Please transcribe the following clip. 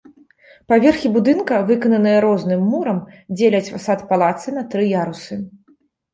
Паверхі будынка, выкананыя розным мурам, дзеляць фасад палацца на тры ярусы.